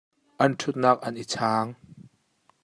An ṭhut nak an i chaang.